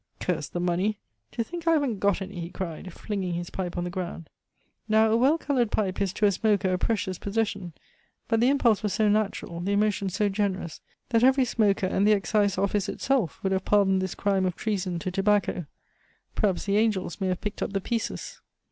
"Curse the money! To think I haven't got any!" he cried, flinging his pipe on the ground. Now, a well colored pipe is to a smoker a precious possession; but the impulse was so natural, the emotion so generous, that every smoker, and the excise office itself, would have pardoned this crime of treason to tobacco. Perhaps the angels may have picked up the pieces.